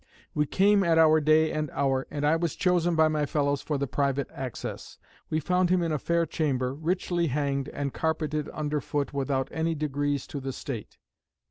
We came at our day and hour, and I was chosen by my fellows for the private access. We found him in a fair chamber, richly hanged, and carpeted under foot without any degrees to the state.